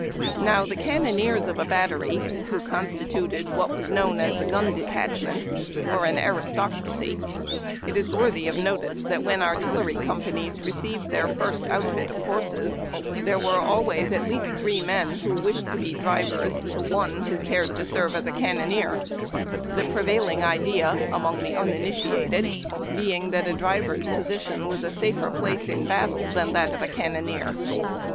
Now the cannoneers of a battery, who constituted what was known as the Gun Detachment, were an aristocracy. It is worthy of notice A DAY IN CAMP. 171 that when artillery companies received their first outfit of horses, there were always at least three men who wished to be drivers to one who cared to serve as a cannoneer, the prevailing idea among the uninitiated being that a driver's position was a safer place in battle than that of a cannoneer.